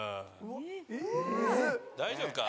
大丈夫か。